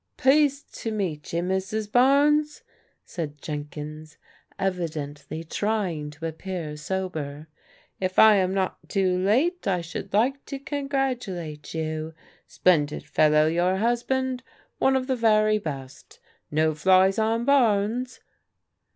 " Pleased to meet you, Mrs. Barnes," said Jenkins, evidently trying to appear sober. " If I am not too late I should like to congratulate you. Splendid fellow, your husband. One of the very best. No flies on Barnes."